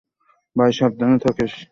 By, সাবধানে থাকিস।